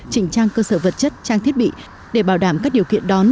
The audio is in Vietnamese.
chỉnh trang cơ sở vật chất trang thiết bị để bảo đảm các điều kiện đón